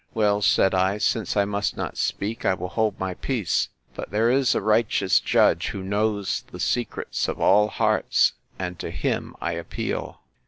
Well, said I, since I must not speak, I will hold my peace; but there is a righteous Judge, who knows the secrets of all hearts; and to him I appeal.